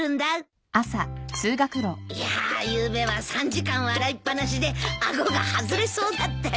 いやあゆうべは３時間笑いっぱなしで顎が外れそうだったよ。